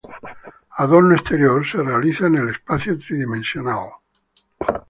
Adorno exterior se realiza en el espacio tridimensional.